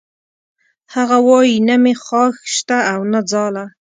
هغه وایی نه مې خاښ شته او نه ځاله